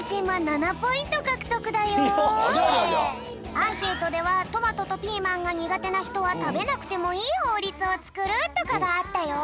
アンケートでは「トマトとピーマンがにがてなひとはたべなくてもいいほうりつをつくる」とかがあったよ。